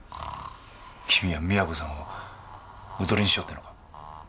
君は美和子さんをおとりにしようってのか？